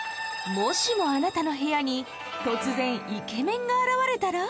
もしもあなたの部屋に突然イケメンが現れたら？